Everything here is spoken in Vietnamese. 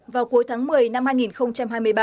vào cuối tháng một mươi năm hai nghìn hai mươi ba